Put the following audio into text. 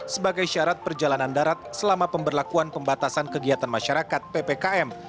sebagai syarat perjalanan darat selama pemberlakuan pembatasan kegiatan masyarakat ppkm